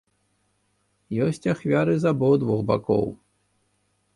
Ёсць ахвяры з абодвух бакоў.